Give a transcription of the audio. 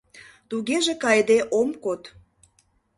— Тугеже кайыде ом код!